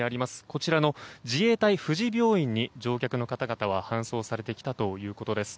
こちらの自衛隊富士病院に乗客の方々は搬送されてきたということです。